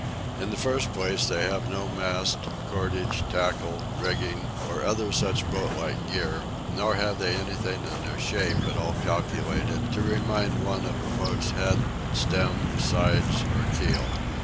In the first place, they have no mast, cordage, tackle, rigging, or other such boat like gear; nor have they anything in their shape at all calculated to remind one of a boat's head, stem, sides, or keel.